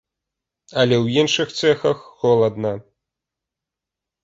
Але ў іншых цэхах холадна.